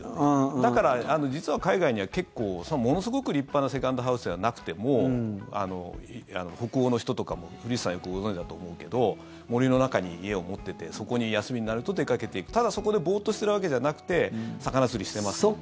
だから実は海外には結構ものすごく立派なセカンドハウスじゃなくても北欧の人とかも古市さんよくご存じだと思うけど森の中に家を持っててそこに休みになると出かけていくただそこでボーッとしてるわけじゃなくて魚釣りしてますとか。